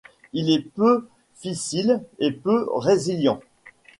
Il est peu fissile et peu résilient.